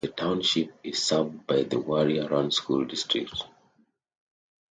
The township is served by the Warrior Run School District.